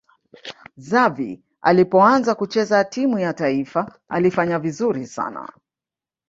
xavi alipoanza kucheza timu ya taifa alifanya vizuri sana